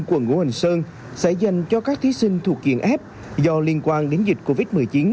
quận ngũ hành sơn sẽ dành cho các thí sinh thuộc diện f do liên quan đến dịch covid một mươi chín